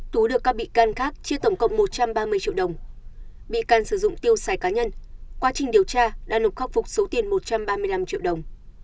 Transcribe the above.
tú được các bị can khác chia tổng cộng một trăm ba mươi triệu đồng bị can sử dụng tiêu xài cá nhân quá trình điều tra đã nộp khắc phục số tiền một trăm ba mươi năm triệu đồng